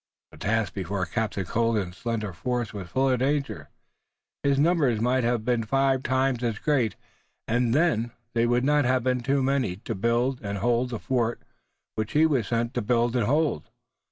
The task before Captain Colden's slender force was full of danger. His numbers might have been five times as great and then they would not have been too many to build and hold the fort he was sent to build and hold.